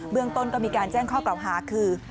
เรื่องต้นก็มีการแจ้งข้อกล่าวหาคือ